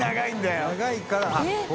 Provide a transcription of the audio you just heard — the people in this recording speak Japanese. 茵長いから。